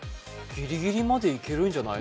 ギリギリまでいけるんじゃない？